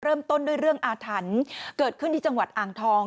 เริ่มต้นด้วยเรื่องอาถรรพ์เกิดขึ้นที่จังหวัดอ่างทอง